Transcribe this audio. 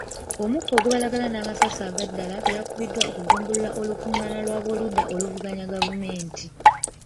Omukka ogubalagala n'amasasi aga ddala byakubiddwa okugumbulula olukungaana lw'aboludda oluvuganya gavumenti.